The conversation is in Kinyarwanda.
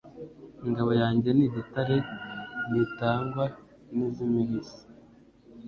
Ingabo yanjye ni igitare ntitangwa n'iz'imihisi